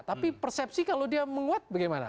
tapi persepsi kalau dia menguat bagaimana